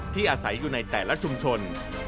อาศัยอยู่ในแต่ละชุมชน